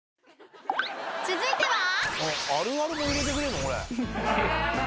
［続いては］